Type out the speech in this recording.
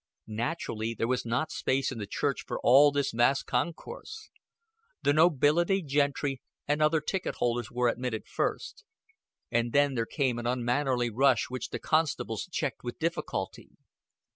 Naturally there was not space in the church for all this vast concourse. The nobility, gentry, and other ticket holders were admitted first, and then there came an unmannerly rush which the constables checked with difficulty.